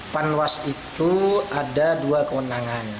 panwas itu ada dua kewenangan